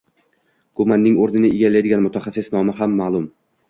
Kumanning o‘rnini egallaydigan mutaxassis nomi ham ma’lum